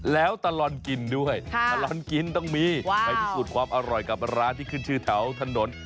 แล้วตลอดกินด้วยตลอดกินต้องมีไปพิสูจน์ความอร่อยกับร้านที่ขึ้นชื่อแถวถนน